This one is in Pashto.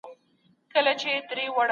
جامي مینځونکی لومړی د داغ نوعیت معلوموي.